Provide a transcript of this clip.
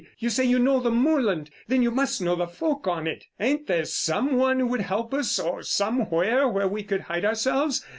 You say you know the moorland—then you must know the folk on it. Ain't there some one who would help us—or somewhere where we could hide ourselves?